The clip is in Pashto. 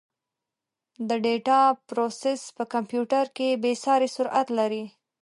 د ډیټا پروسس په کمپیوټر کې بېساري سرعت لري.